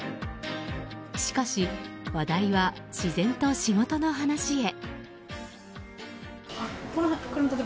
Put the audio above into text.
しかし、話題は自然と仕事の話へ。